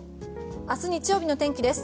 明日、日曜日の天気です。